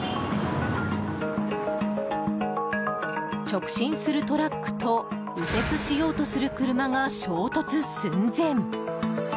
直進するトラックと右折しようとする車が衝突寸前！